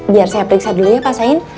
biar saya periksa dulu ya pak sain